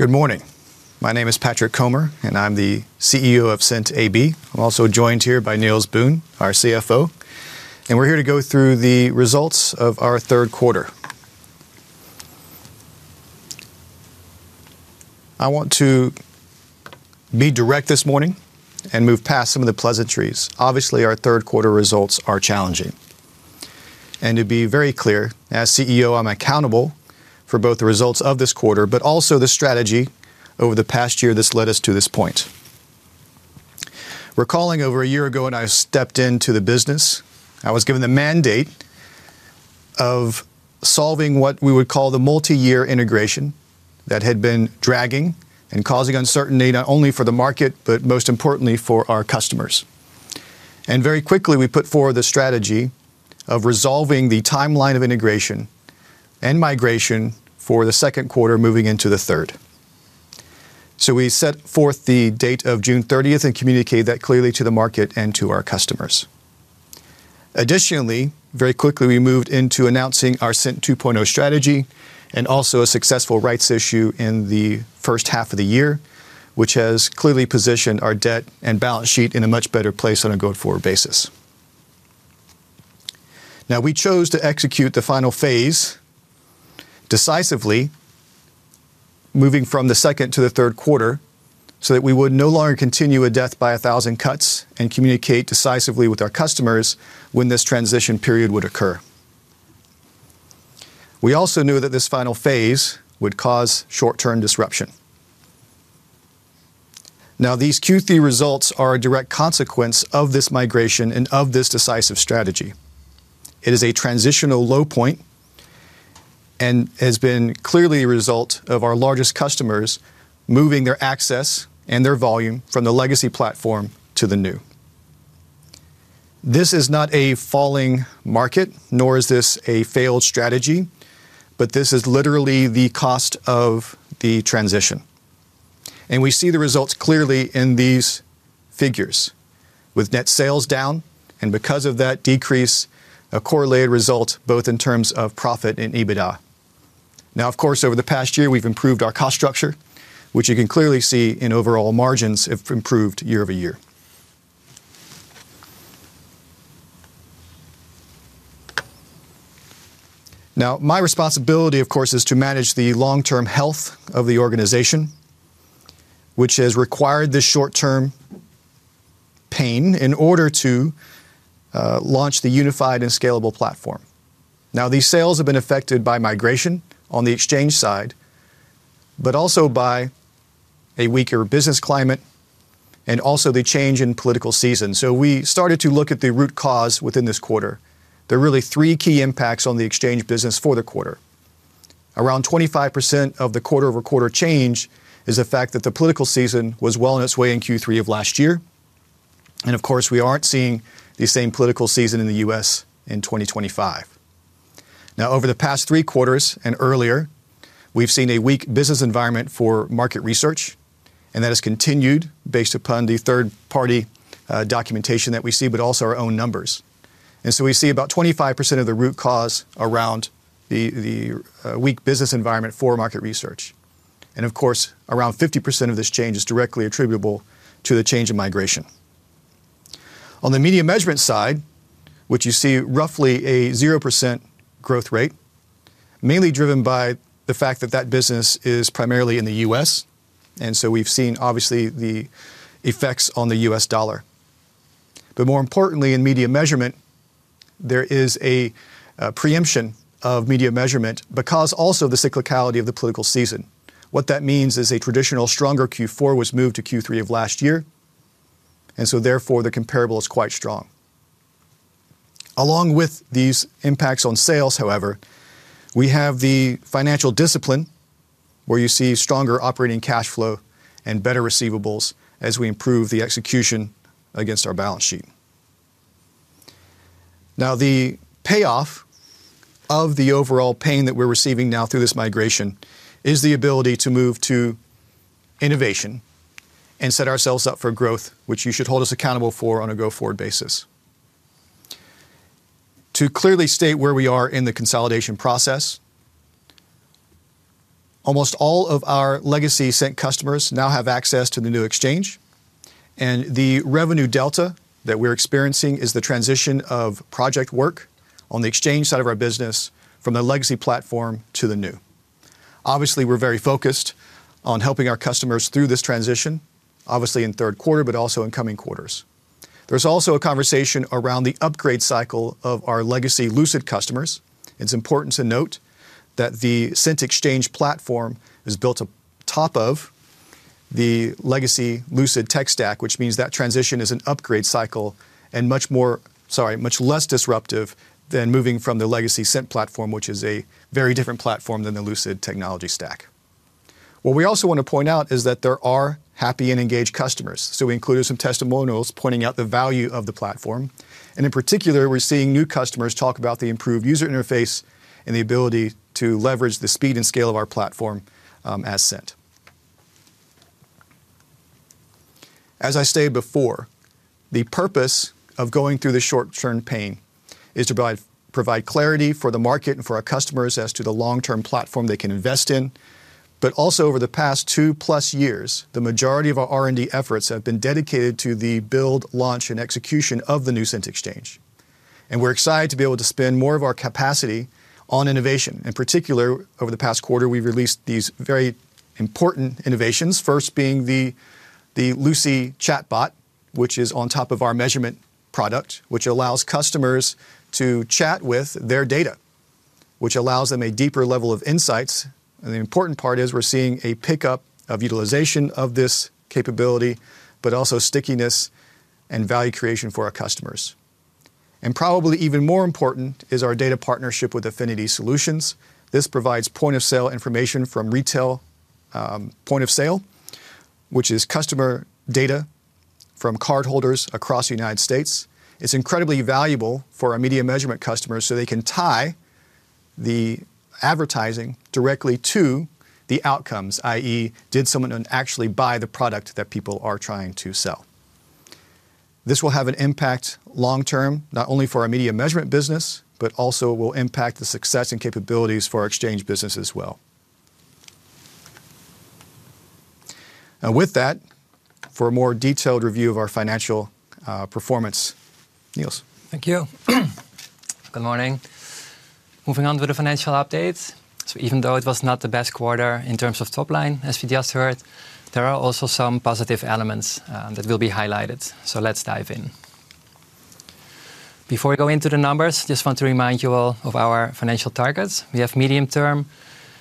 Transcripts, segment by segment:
Good morning. My name is Patrick Comer, and I'm the CEO of Cint AB. I'm also joined here by Niels Boon, our CFO, and we're here to go through the results of our third quarter. I want to be direct this morning and move past some of the pleasantries. Obviously, our third quarter results are challenging. To be very clear, as CEO, I'm accountable for both the results of this quarter, but also the strategy over the past year that's led us to this point. Recalling over a year ago when I stepped into the business, I was given the mandate of solving what we would call the multi-year integration that had been dragging and causing uncertainty not only for the market, but most importantly for our customers. Very quickly, we put forward the strategy of resolving the timeline of integration and migration for the second quarter moving into the third. We set forth the date of June 30 and communicated that clearly to the market and to our customers. Additionally, very quickly, we moved into announcing our Cint 2.0 strategy and also a successful rights issue in the first half of the year, which has clearly positioned our debt and balance sheet in a much better place on a go-forward basis. We chose to execute the final phase decisively, moving from the second to the third quarter, so that we would no longer continue a death by a thousand cuts and communicate decisively with our customers when this transition period would occur. We also knew that this final phase would cause short-term disruption. These Q3 results are a direct consequence of this migration and of this decisive strategy. It is a transitional low point and has been clearly a result of our largest customers moving their access and their volume from the legacy platform to the new. This is not a falling market, nor is this a failed strategy, but this is literally the cost of the transition. We see the results clearly in these figures, with net sales down and, because of that decrease, a correlated result both in terms of profit and EBITDA. Over the past year, we've improved our cost structure, which you can clearly see in overall margins have improved year over year. My responsibility, of course, is to manage the long-term health of the organization, which has required this short-term pain in order to launch the unified and scalable platform. Now, these sales have been affected by migration on the exchange side, but also by a weaker business climate and also the change in political season. We started to look at the root cause within this quarter. There are really three key impacts on the exchange business for the quarter. Around 25% of the quarter-over-quarter change is the fact that the political season was well on its way in Q3 of last year. Of course, we aren't seeing the same political season in the U.S. in 2025. Over the past three quarters and earlier, we've seen a weak business environment for market research, and that has continued based upon the third-party documentation that we see, but also our own numbers. We see about 25% of the root cause around the weak business environment for market research. Of course, around 50% of this change is directly attributable to the change in migration. On the media measurement side, you see roughly a 0% growth rate, mainly driven by the fact that that business is primarily in the U.S. We've seen, obviously, the effects on the U.S. dollar. More importantly, in media measurement, there is a preemption of media measurement because also of the cyclicality of the political season. What that means is a traditional stronger Q4 was moved to Q3 of last year. Therefore, the comparable is quite strong. Along with these impacts on sales, however, we have the financial discipline where you see stronger operating cash flow and better receivables as we improve the execution against our balance sheet. The payoff of the overall pain that we're receiving now through this migration is the ability to move to innovation and set ourselves up for growth, which you should hold us accountable for on a go-forward basis. To clearly state where we are in the consolidation process, almost all of our legacy Cint customers now have access to the new exchange, and the revenue delta that we're experiencing is the transition of project work on the exchange side of our business from the legacy platform to the new. Obviously, we're very focused on helping our customers through this transition, obviously in the third quarter, but also in coming quarters. There's also a conversation around the upgrade cycle of our legacy Lucid customers. It's important to note that the Cint exchange platform is built on top of the legacy Lucid tech stack, which means that transition is an upgrade cycle and much less disruptive than moving from the legacy Cint platform, which is a very different platform than the Lucid technology stack. What we also want to point out is that there are happy and engaged customers. We included some testimonials pointing out the value of the platform. In particular, we're seeing new customers talk about the improved user interface and the ability to leverage the speed and scale of our platform as Cint. As I stated before, the purpose of going through the short-term pain is to provide clarity for the market and for our customers as to the long-term platform they can invest in. Over the past 2+ years, the majority of our R&D efforts have been dedicated to the build, launch, and execution of the new Cint exchange. We're excited to be able to spend more of our capacity on innovation. In particular, over the past quarter, we've released these very important innovations, first being the Luci chatbot, which is on top of our measurement product, which allows customers to chat with their data, which allows them a deeper level of insights. The important part is we're seeing a pickup of utilization of this capability, but also stickiness and value creation for our customers. Probably even more important is our data partnership with Affinity Solutions. This provides point-of-sale information from retail point of sale, which is customer data from cardholders across the United States. It's incredibly valuable for our media measurement customers so they can tie the advertising directly to the outcomes, i.e., did someone actually buy the product that people are trying to sell? This will have an impact long-term, not only for our media measurement business, but also will impact the success and capabilities for our exchange business as well. With that, for a more detailed review of our financial performance, Niels. Thank you. Good morning. Moving on to the financial updates. Even though it was not the best quarter in terms of top line, as we just heard, there are also some positive elements that will be highlighted. Let's dive in. Before we go into the numbers, I just want to remind you all of our financial targets. We have medium-term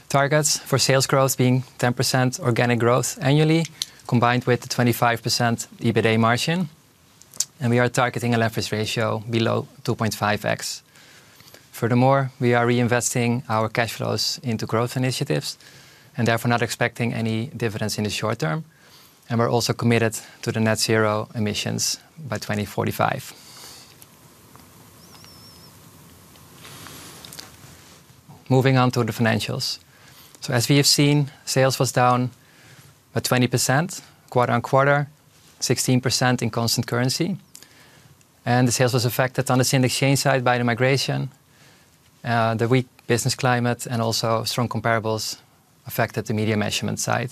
targets for sales growth being 10% organic growth annually, combined with the 25% EBITDA margin. We are targeting a leverage ratio below 2.5x. Furthermore, we are reinvesting our cash flows into growth initiatives and therefore not expecting any dividends in the short term. We're also committed to the net zero emissions by 2045. Moving on to the financials. As we have seen, sales were down by 20% quarter on quarter, 16% in constant currency. The sales were affected on the Cint exchange side by the migration, the weak business climate, and also strong comparables affected the media measurement side.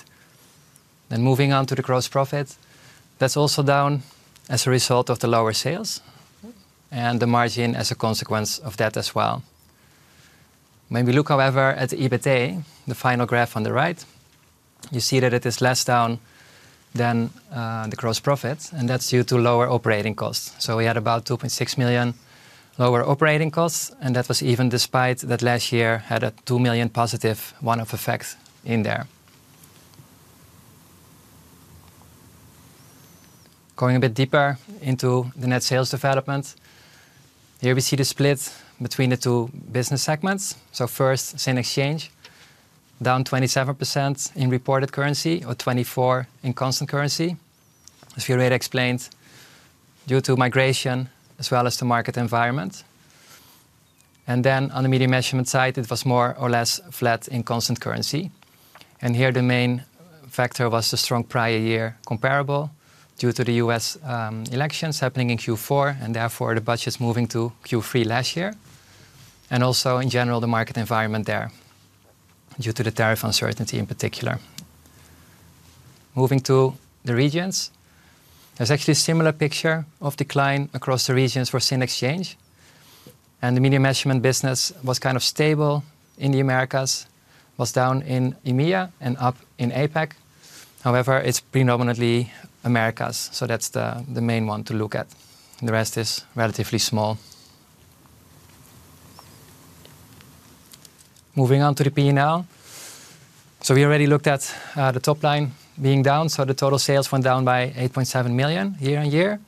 Moving on to the gross profit, that's also down as a result of the lower sales and the margin as a consequence of that as well. However, when we look at the EBITDA, the final graph on the right, you see that it is less down than the gross profit, and that's due to lower operating costs. We had about 2.6 million lower operating costs, and that was even despite that last year had a 2 million positive one-off effect in there. Going a bit deeper into the net sales development, here we see the split between the two business segments. First, Cint exchange down 27% in reported currency or 24% in constant currency, as we already explained, due to migration as well as the market environment. On the media measurement side, it was more or less flat in constant currency. Here the main factor was the strong prior year comparable due to the US elections happening in Q4, and therefore the budgets moving to Q3 last year, and also in general the market environment there due to the tariff uncertainty in particular. Moving to the regions, there's actually a similar picture of decline across the regions for Cint exchange. The media measurement business was kind of stable in the Americas, was down in EMEA and up in APEC. However, it's predominantly Americas, so that's the main one to look at. The rest is relatively small. Moving on to the P&L. We already looked at the top line being down, so the total sales went down by $8.7 million year on year.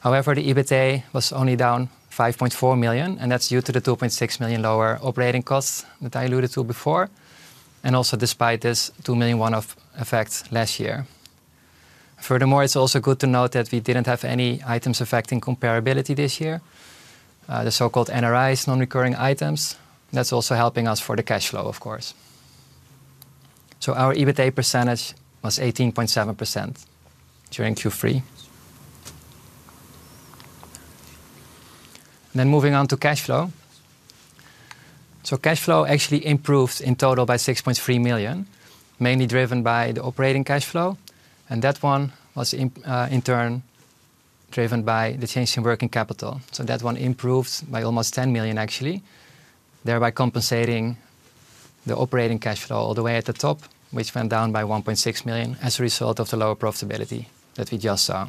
However, the EBITDA was only down 5.4 million, and that's due to the 2.6 million lower operating costs that I alluded to before, and also despite this 2 million one-off effect last year. Furthermore, it's also good to note that we didn't have any items affecting comparability this year, the so-called NRIs, non-recurring items. That's also helping us for the cash flow, of course. Our EBITDA percentage was 18.7% during Q3. Moving on to cash flow, cash flow actually improved in total by 6.3 million, mainly driven by the operating cash flow, and that one was in turn driven by the change in working capital. That one improved by almost 10 million, actually, thereby compensating the operating cash flow all the way at the top, which went down by 1.6 million as a result of the lower profitability that we just saw.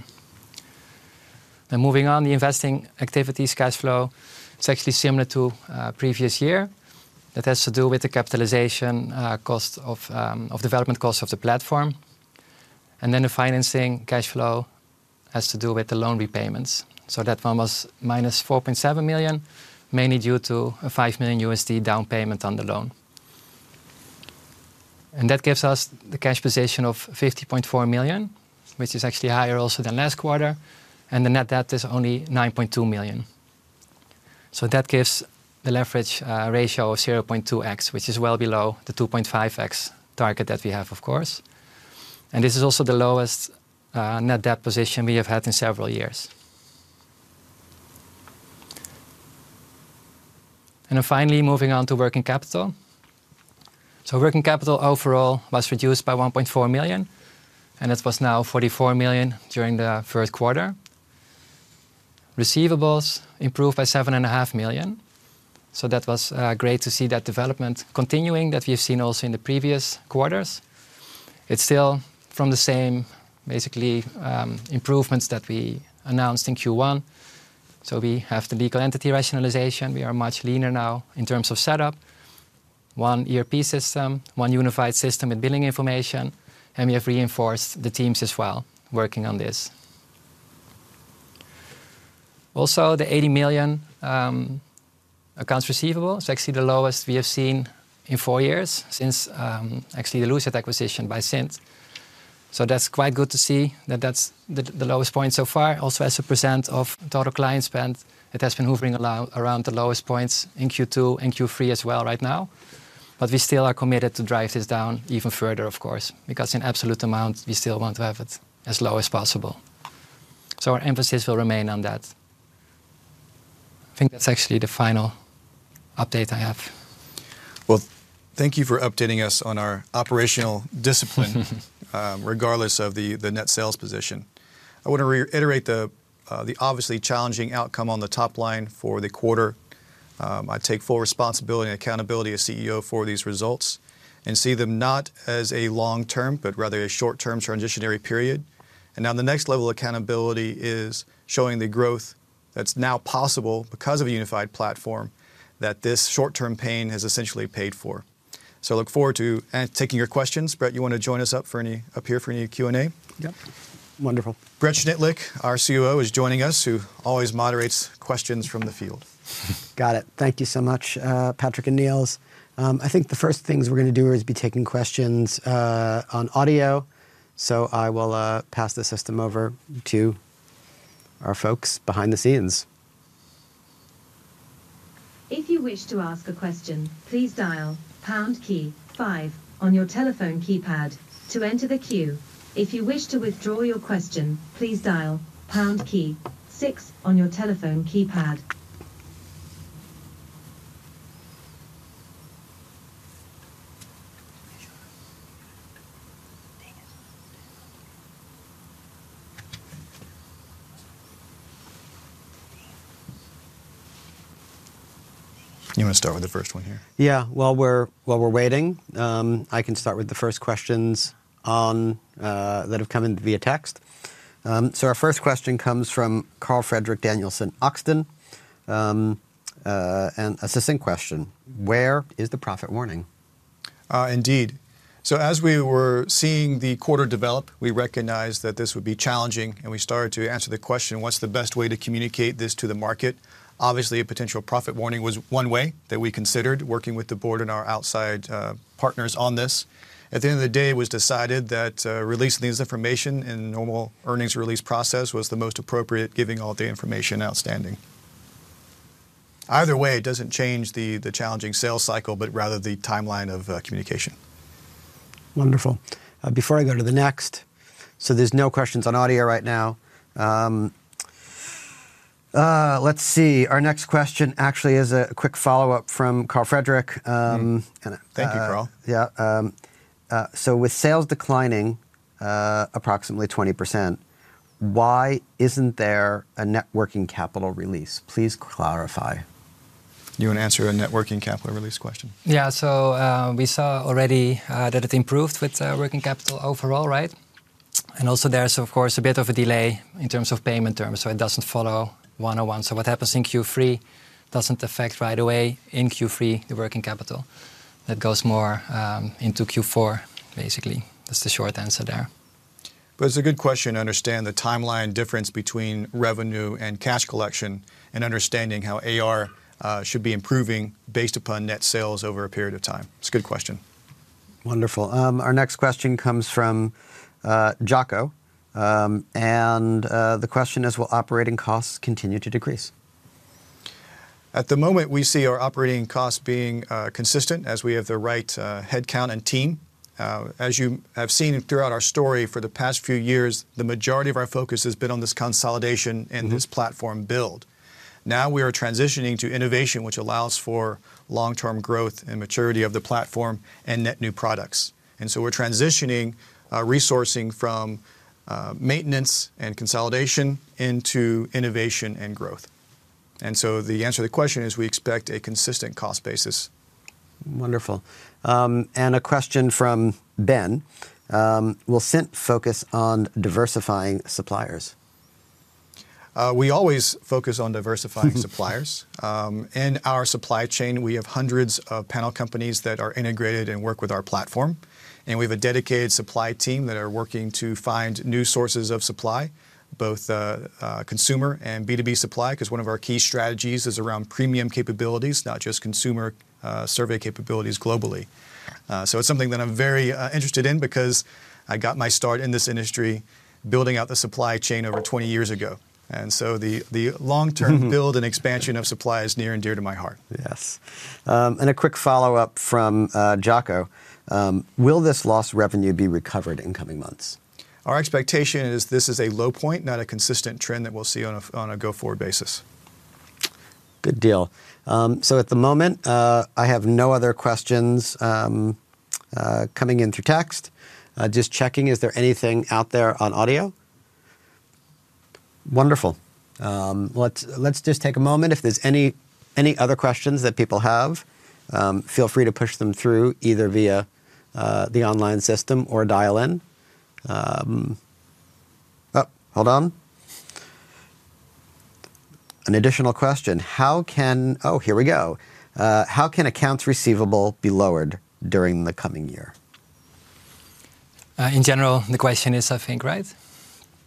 Moving on, the investing activities cash flow is actually similar to the previous year. That has to do with the capitalization cost of development costs of the platform. The financing cash flow has to do with the loan repayments. That one was -4.7 million, mainly due to a $5 million down payment on the loan. That gives us the cash position of 50.4 million, which is actually higher also than last quarter. The net debt is only 9.2 million. That gives the leverage ratio of 0.2x, which is well below the 2.5x target that we have, of course. This is also the lowest net debt position we have had in several years. Finally, moving on to working capital, working capital overall was reduced by 1.4 million, and it was now 44 million during the third quarter. Receivables improved by 7.5 million. That was great to see that development continuing that we have seen also in the previous quarters. It's still from the same, basically, improvements that we announced in Q1. We have the legal entity rationalization. We are much leaner now in terms of setup, one ERP system, one unified system with billing information, and we have reinforced the teams as well working on this. Also, the 80 million accounts receivable is actually the lowest we have seen in four years since actually the Lucid acquisition by Cint. That's quite good to see that that's the lowest point so far. Also, as a percent of total client spend, it has been hovering around the lowest points in Q2 and Q3 as well right now. We still are committed to drive this down even further, of course, because in absolute amount, we still want to have it as low as possible. Our emphasis will remain on that. I think that's actually the final update I have. Thank you for updating us on our operational discipline regardless of the net sales position. I want to reiterate the obviously challenging outcome on the top line for the quarter. I take full responsibility and accountability as CEO for these results and see them not as a long term, but rather a short-term transitionary period. The next level of accountability is showing the growth that's now possible because of a unified platform that this short-term pain has essentially paid for. I look forward to taking your questions. Brett, you want to join us up here for any Q&A? Yeah. Wonderful. Brett Schnittlich, our CEO, is joining us, who always moderates questions from the field. Got it. Thank you so much, Patrick and Niels. I think the first things we're going to do is be taking questions on audio. I will pass the system over to our folks behind the scenes. If you wish to ask a question, please dial pound key five on your telephone keypad to enter the queue. If you wish to withdraw your question, please dial pound key six on your telephone keypad. You want to start with the first one here? Yeah, while we're waiting, I can start with the first questions that have come in via text. Our first question comes from Carl-Frederic Danielson Oxton. An assistant question, where is the profit warning? Indeed. As we were seeing the quarter develop, we recognized that this would be challenging, and we started to answer the question, what's the best way to communicate this to the market? Obviously, a potential profit warning was one way that we considered, working with the board and our outside partners on this. At the end of the day, it was decided that releasing this information in the normal earnings release process was the most appropriate, given all the information outstanding. Either way, it doesn't change the challenging sales cycle, but rather the timeline of communication. Wonderful. Before I go to the next, there's no questions on audio right now. Let's see. Our next question actually is a quick follow-up from Carl-Frederic. Thank you, Carl. With sales declining approximately 20%, why isn't there a net working capital release? Please clarify. You want to answer a net working capital release question? Yeah. We saw already that it improved with working capital overall, right? There's, of course, a bit of a delay in terms of payment terms. It doesn't follow one-on-one. What happens in Q3 doesn't affect right away in Q3 the working capital. That goes more into Q4, basically. That's the short answer there. It's a good question to understand the timeline difference between revenue and cash collection and understanding how accounts receivable should be improving based upon net sales over a period of time. It's a good question. Wonderful. Our next question comes from Jaco. The question is, will operating costs continue to decrease? At the moment, we see our operating costs being consistent as we have the right headcount and team. As you have seen throughout our story for the past few years, the majority of our focus has been on this consolidation and this platform build. We are now transitioning to innovation, which allows for long-term growth and maturity of the platform and net new products. We are transitioning resourcing from maintenance and consolidation into innovation and growth. The answer to the question is we expect a consistent cost basis. Wonderful. A question from Ben. Will Cint focus on diversifying suppliers? We always focus on diversifying suppliers. In our supply chain, we have hundreds of panel companies that are integrated and work with our platform. We have a dedicated supply team that are working to find new sources of supply, both consumer and B2B supply, because one of our key strategies is around premium capabilities, not just consumer survey capabilities globally. It is something that I'm very interested in because I got my start in this industry building out the supply chain over 20 years ago. The long-term build and expansion of supply is near and dear to my heart. Yes. A quick follow-up from Jaco. Will this lost revenue be recovered in coming months? Our expectation is this is a low point, not a consistent trend that we'll see on a go-forward basis. Good deal. At the moment, I have no other questions coming in through text. Just checking, is there anything out there on audio? Wonderful. Let's just take a moment. If there's any other questions that people have, feel free to push them through either via the online system or dial in. Hold on. An additional question. How can, oh, here we go. How can accounts receivable be lowered during the coming year? In general, the question is, I think, right?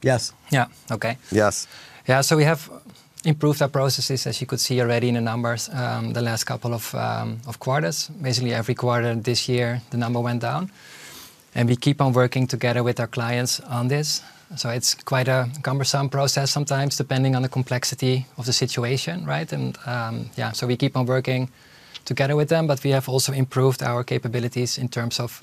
Yes. Yeah. OK. Yes. Yeah. We have improved our processes, as you could see already in the numbers the last couple of quarters. Basically, every quarter this year, the number went down. We keep on working together with our clients on this. It's quite a cumbersome process sometimes, depending on the complexity of the situation, right? We keep on working together with them. We have also improved our capabilities in terms of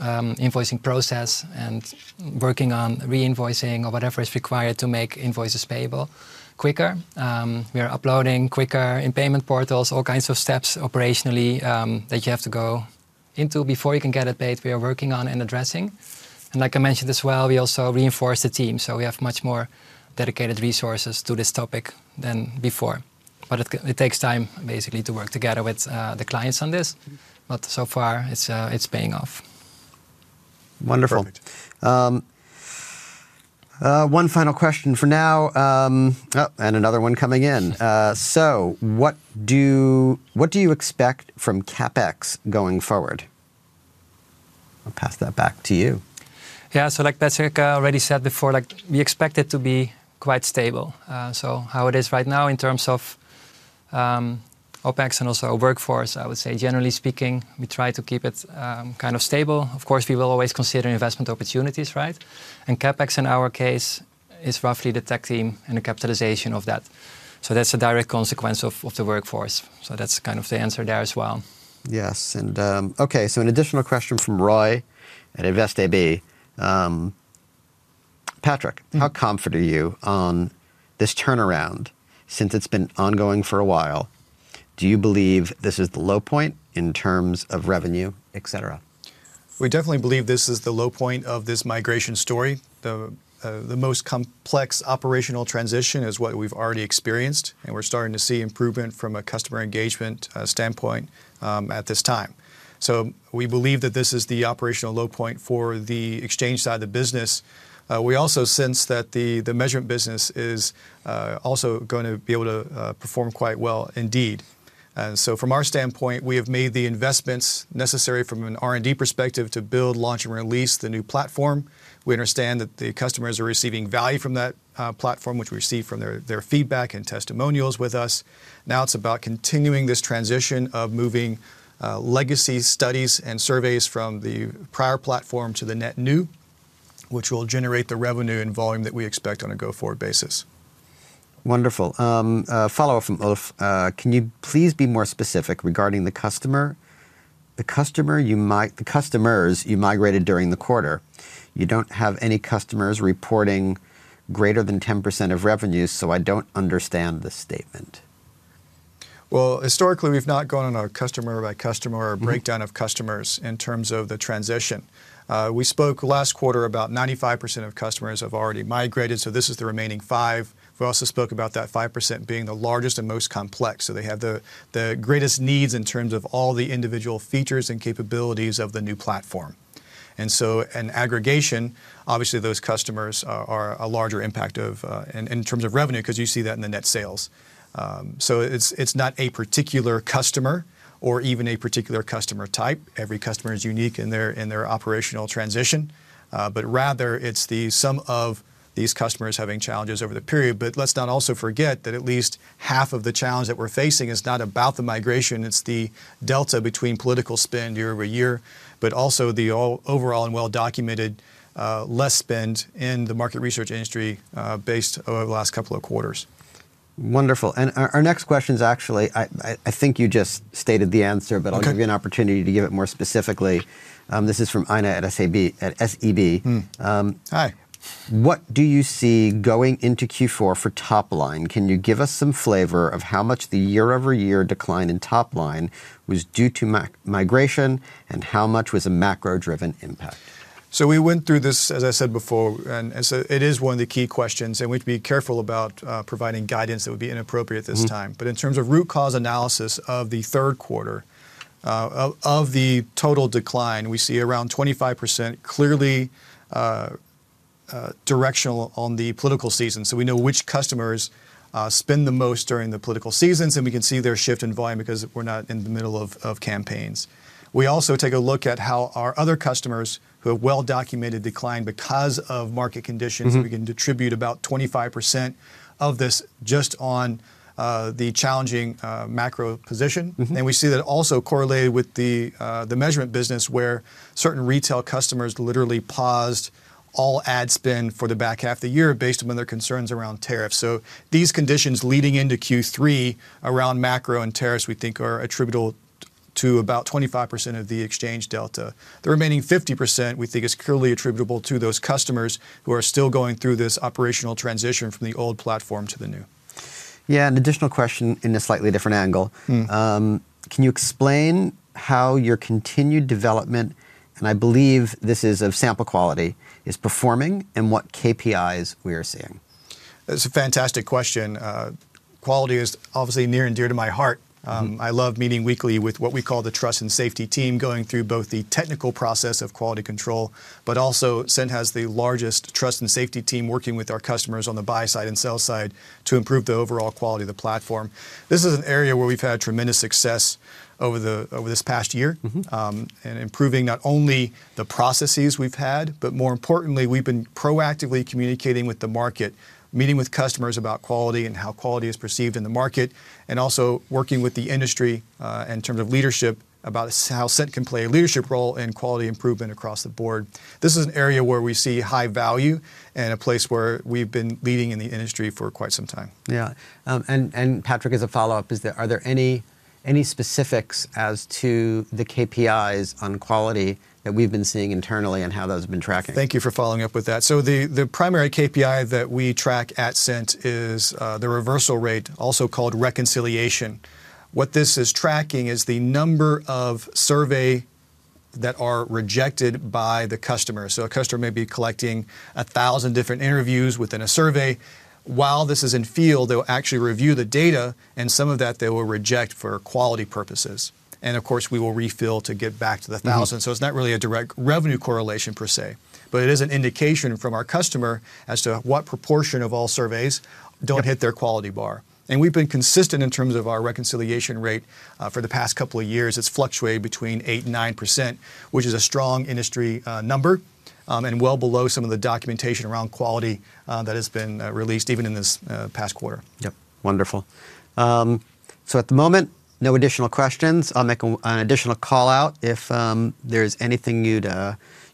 invoicing process and working on re-invoicing or whatever is required to make invoices payable quicker. We are uploading quicker in payment portals, all kinds of steps operationally that you have to go into before you can get it paid. We are working on and addressing these. Like I mentioned as well, we also reinforced the team. We have much more dedicated resources to this topic than before. It takes time, basically, to work together with the clients on this. So far, it's paying off. Wonderful. One final question for now. Another one coming in. What do you expect from CapEx going forward? I'll pass that back to you. Yeah. Like Patrick already said before, we expect it to be quite stable. How it is right now in terms of OpEx and also our workforce, I would say, generally speaking, we try to keep it kind of stable. Of course, we will always consider investment opportunities, right? CapEx, in our case, is roughly the tech team and the capitalization of that. That's a direct consequence of the workforce. That's kind of the answer there as well. Yes. OK, so an additional question from Roy at Invest AB. Patrick, how confident are you on this turnaround since it's been ongoing for a while? Do you believe this is the low point in terms of revenue, et cetera? We definitely believe this is the low point of this migration story. The most complex operational transition is what we've already experienced, and we're starting to see improvement from a customer engagement standpoint at this time. We believe that this is the operational low point for the exchange side of the business. We also sense that the measurement business is also going to be able to perform quite well, indeed. From our standpoint, we have made the investments necessary from an R&D perspective to build, launch, and release the new platform. We understand that the customers are receiving value from that platform, which we receive from their feedback and testimonials with us. Now it's about continuing this transition of moving legacy studies and surveys from the prior platform to the net new, which will generate the revenue and volume that we expect on a go-forward basis. Wonderful. Follow-up from Ulf. Can you please be more specific regarding the customers you migrated during the quarter? You don't have any customers reporting greater than 10% of revenue, so I don't understand this statement. Historically, we've not gone on a customer-by-customer breakdown of customers in terms of the transition. We spoke last quarter about 95% of customers have already migrated, so this is the remaining 5%. We also spoke about that 5% being the largest and most complex. They have the greatest needs in terms of all the individual features and capabilities of the new platform. In aggregation, obviously, those customers are a larger impact in terms of revenue because you see that in the net sales. It's not a particular customer or even a particular customer type. Every customer is unique in their operational transition. Rather, it's the sum of these customers having challenges over the period. Let's not also forget that at least half of the challenge that we're facing is not about the migration. It's the delta between political spend year over year, but also the overall and well-documented less spend in the market research industry based over the last couple of quarters. Wonderful. Our next question is actually, I think you just stated the answer, but I'll give you an opportunity to give it more specifically. This is from Aina at SEB. Hi. What do you see going into Q4 for top line? Can you give us some flavor of how much the year-over-year decline in top line was due to migration and how much was a macro-driven impact? We went through this, as I said before, and it is one of the key questions, and we have to be careful about providing guidance that would be inappropriate at this time. In terms of root cause analysis of the third quarter of the total decline, we see around 25% clearly directional on the political season. We know which customers spend the most during the political seasons, and we can see their shift in volume because we're not in the middle of campaigns. We also take a look at how our other customers who have well-documented decline because of market conditions, and we can attribute about 25% of this just on the challenging macro position. We see that also correlated with the measurement business where certain retail customers literally paused all ad spend for the back half of the year based upon their concerns around tariffs. These conditions leading into Q3 around macro and tariffs we think are attributable to about 25% of the exchange delta. The remaining 50% we think is purely attributable to those customers who are still going through this operational transition from the old platform to the new. Yeah. An additional question in a slightly different angle. Can you explain how your continued development, and I believe this is of sample quality, is performing and what KPIs we are seeing? It's a fantastic question. Quality is obviously near and dear to my heart. I love meeting weekly with what we call the trust and safety team, going through both the technical process of quality control, but also Cint has the largest trust and safety team working with our customers on the buy side and sell side to improve the overall quality of the platform. This is an area where we've had tremendous success over this past year in improving not only the processes we've had, but more importantly, we've been proactively communicating with the market, meeting with customers about quality and how quality is perceived in the market, and also working with the industry in terms of leadership about how Cint can play a leadership role in quality improvement across the board. This is an area where we see high value and a place where we've been leading in the industry for quite some time. Yeah, Patrick, as a follow-up, are there any specifics as to the KPIs on quality that we've been seeing internally and how those have been tracking? Thank you for following up with that. The primary KPI that we track at Cint is the reversal rate, also called reconciliation. What this is tracking is the number of surveys that are rejected by the customer. A customer may be collecting 1,000 different interviews within a survey. While this is in field, they'll actually review the data, and some of that they will reject for quality purposes. Of course, we will refill to get back to the 1,000. It is not really a direct revenue correlation per se, but it is an indication from our customer as to what proportion of all surveys do not hit their quality bar. We have been consistent in terms of our reconciliation rate for the past couple of years. It has fluctuated between 8% and 9%, which is a strong industry number and well below some of the documentation around quality that has been released even in this past quarter. Wonderful. At the moment, no additional questions. I'll make an additional call out. If there's anything you'd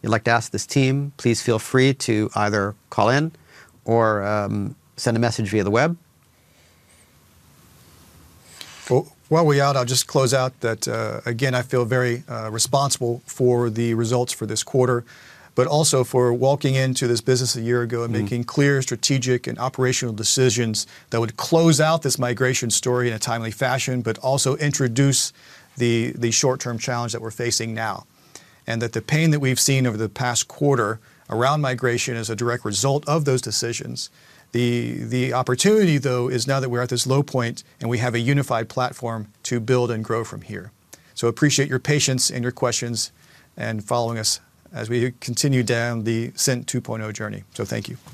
like to ask this team, please feel free to either call in or send a message via the web. While we're out, I'll just close out that, again, I feel very responsible for the results for this quarter, but also for walking into this business a year ago and making clear strategic and operational decisions that would close out this migration story in a timely fashion, but also introduce the short-term challenge that we're facing now. The pain that we've seen over the past quarter around migration is a direct result of those decisions. The opportunity, though, is now that we're at this low point and we have a unified platform to build and grow from here. I appreciate your patience and your questions and following us as we continue down the Cint 2.0 journey. Thank you.